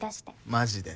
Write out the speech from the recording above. マジで。